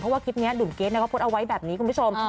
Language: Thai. เพราะว่าคลิปนี้หนุ่มเกรทเขาโพสต์เอาไว้แบบนี้คุณผู้ชม